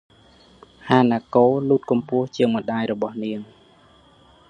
ហាណាកូ លូតខ្ពស់ជាងម្តាយរបស់នាង ។